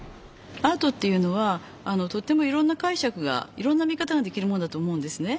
アートっていうのはとってもいろんなかいしゃくがいろんな見方ができるものだと思うんですね。